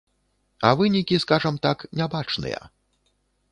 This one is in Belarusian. А вынікі, скажам так, нябачныя.